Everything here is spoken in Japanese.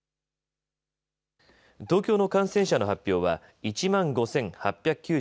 東京の感染者の発表は１万５８９５人。